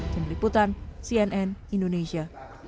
jemputan cnn indonesia